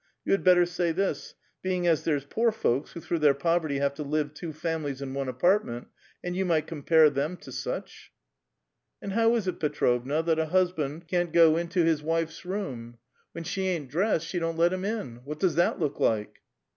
You had better sav this : being as there's poor folks who through their poverty have to live two families in one apartment ; and you might compare them to snch !" "And how is it, Petrovna, that a huabarvd csjtfX* ^oVoXft 152 A VITAL QUESTION. his wife's room ? AVhen she ain't dressed, she don't let bim in. Wh:it (1(k*s that look like?"